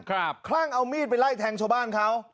คลั่งเอามีดไปไล่แทงชาวบ้านเขา